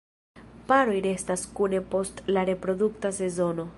Paroj restas kune post la reprodukta sezono.